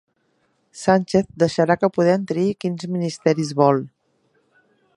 Sánchez deixarà que Podem triï quins ministeris vol